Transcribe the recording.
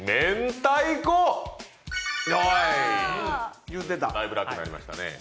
だいぶ楽になりましたね。